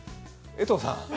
江藤さん